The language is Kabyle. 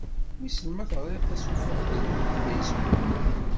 Wissen ma teɣriḍ tasufeɣt-inu deg Facebook.